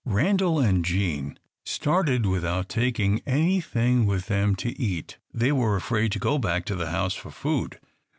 Randal and Jean started without taking anything with them to eat. They were afraid to go back to the house for food.